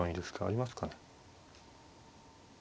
ありますかね。